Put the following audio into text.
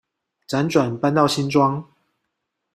輾轉搬到新莊